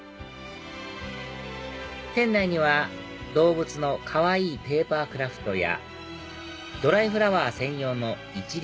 店内には動物のかわいいペーパークラフトやドライフラワー専用の一輪